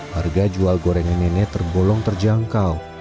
harga jual gorengan nenek tergolong terjangkau